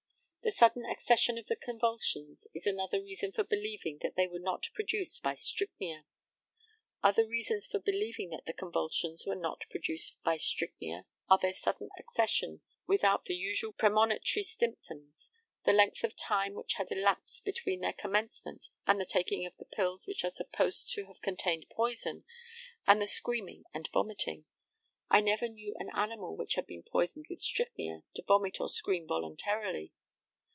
The sudden accession of the convulsions is another reason for believing that they were not produced by strychnia. Other reasons for believing that the convulsions were not produced by strychnia are their sudden accession without the usual premonitory symptoms, the length of time which had elapsed between their commencement and the taking of the pills which are supposed to have contained poison, and the screaming and vomiting. I never knew an animal which had been poisoned with strychnia to vomit or scream voluntarily.